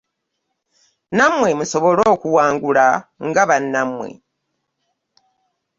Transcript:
Nammwe musobola okuwangula nga bannammwe.